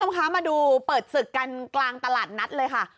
ต้องค้ามาดูเปิดศึกกันกลางตลาดนัดเลยค่ะ